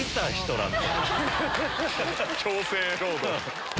強制労働。